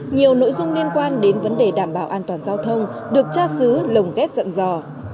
nhiều nội dung liên quan đến vấn đề đảm bảo an toàn giao thông được cha sứ lồng ghép dẫn dò